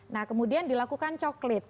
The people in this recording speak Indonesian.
nah kemudian dilakukan coklit